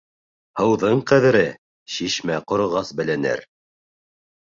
Һыуҙың ҡәҙере шишмә ҡороғас беленер.